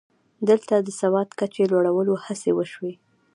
دلته د سواد کچې لوړولو هڅې وشوې